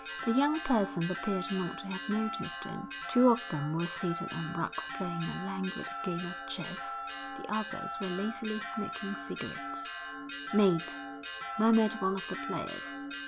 The young persons appeared not to have noticed him. Two of them were seated on rugs playing a languid game of chess, the others were lazily smoking cigarettes. 'Mate!' murmured one of the players.